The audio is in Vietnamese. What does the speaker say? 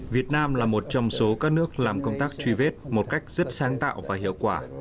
việt nam là một trong số các nước làm công tác truy vết một cách rất sáng tạo và hiệu quả